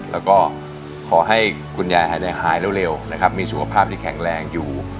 แล้วก็ขอให้คุณยายหายเร็วนะครับมีสุขภาพที่แข็งแรงอยู่